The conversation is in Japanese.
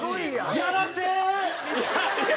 やらせ！